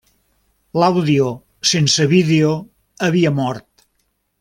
L'àudio sense vídeo havia mort.